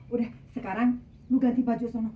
udah sekarang mau ganti baju sama